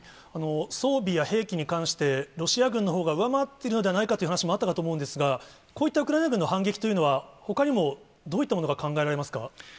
装備や兵器に関して、ロシア軍のほうが上回っているのではないかという話もあったかと思うんですが、こういったウクライナ軍の反撃というのは、ほかにもどういったものが考えられますか。